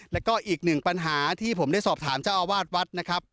แล้วก็อีกหนึ่งปัญหาที่ผมได้สอบถามเจ้าอาวาสวัดนะครับ